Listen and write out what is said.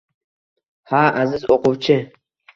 Ha, aziz o‘quvchi